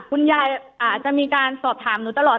คุณยายอาจจะมีการสอบถามหนูตลอด